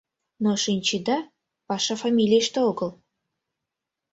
Но, шинчеда, паша фамилийыште огыл.